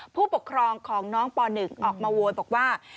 ผู้ปกครองของน้องป๑ออกมาโวยบอกว่า